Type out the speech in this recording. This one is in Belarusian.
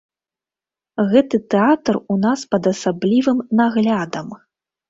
Гэты тэатр у нас пад асаблівым наглядам.